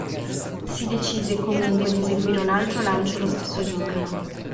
Si decise comunque di eseguire un altro lancio lo stesso giorno.